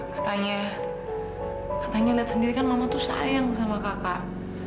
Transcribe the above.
katanya katanya lihat sendiri kan mama tuh sayang sama kakak